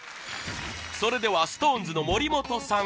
それではＳｉｘＴＯＮＥＳの森本さん